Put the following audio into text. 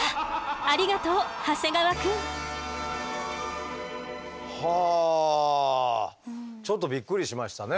ありがとう長谷川くん。はあちょっとびっくりしましたね。